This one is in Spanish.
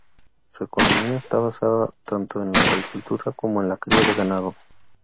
Su economía estaba basada tanto en la agricultura como en la cría de ganado.